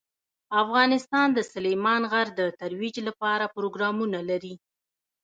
افغانستان د سلیمان غر د ترویج لپاره پروګرامونه لري.